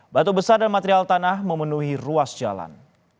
batu besar dan material tanah memenuhi ruas jalan